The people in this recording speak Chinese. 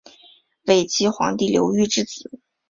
伪齐皇帝刘豫之子。